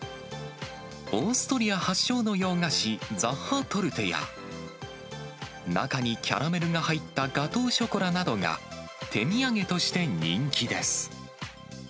オーストリア発祥の洋菓子、ザッハトルテや、中にキャラメルが入ったガトーショコラなどが、手土産として人気です。